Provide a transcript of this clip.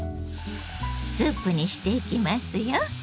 スープにしていきますよ。